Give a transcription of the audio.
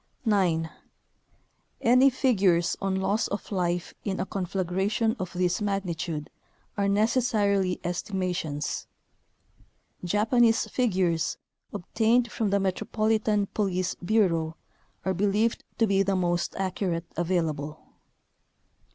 9. Any figures on loss of life in a conflagra tion of this magnitude are necessarily estima tions. Japanese figures, obtained from the Metropolitan Police bureau, are believed to be the most accurate available.